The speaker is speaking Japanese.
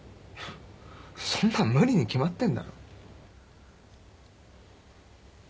そんなん無理に決まってんだろ。